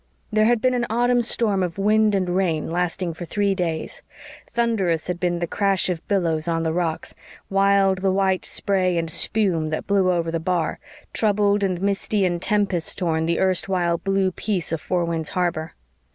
There had been an autumn storm of wind and rain, lasting for three days. Thunderous had been the crash of billows on the rocks, wild the white spray and spume that blew over the bar, troubled and misty and tempest torn the erstwhile blue peace of Four Winds Harbor.